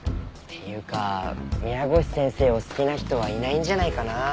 っていうか宮越先生を好きな人はいないんじゃないかな。